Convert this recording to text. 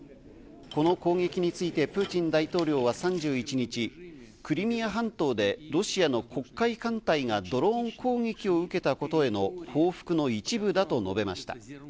この攻撃についてプーチン大統領は３１日、クリミア半島でロシアの黒海艦隊がドローン攻撃を受けたことへの報復の一部だと述べました。